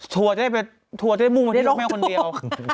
ทัวร์จะได้มุ่งมาที่รถแม่คนเดียว